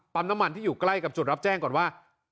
น้ำมันที่อยู่ใกล้กับจุดรับแจ้งก่อนว่า